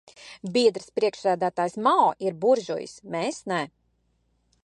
Biedrs priekšsēdētājs Mao ir buržujs, mēs nē.